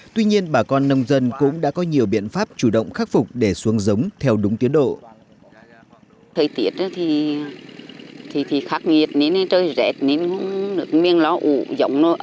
tuy nhiên bà con nông dân cũng đã có nhiều biện pháp chủ động khắc phục để xuống giống theo đúng tiến độ